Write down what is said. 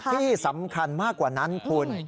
ที่สำคัญมากกว่านั้นคุณ